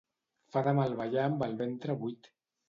Fa de mal ballar amb el ventre buit.